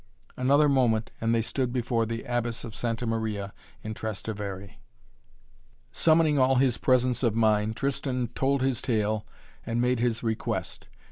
Another moment and they stood before the Abbess of Santa Maria in Trastevere. Summoning all his presence of mind, Tristan told his tale and made his request.